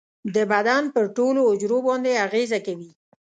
د بدن پر ټولو حجرو باندې اغیزه کوي.